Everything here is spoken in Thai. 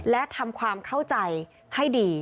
และทำความเข้าใจให้ดี